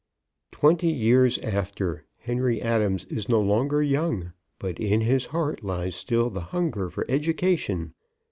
"_) "TWENTY YEARS AFTER ... HENRY ADAMS IS NO LONGER YOUNG, BUT IN HIS HEART LIES STILL THE HUNGER FOR EDUCATION.